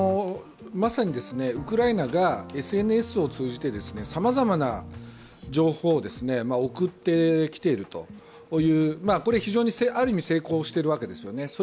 まさにウクライナがＳＮＳを通じてさまざまな情報を送ってきているというこれある意味、非常に成功しているわけですよね。